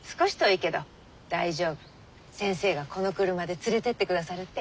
先生がこの車で連れてってくださるって。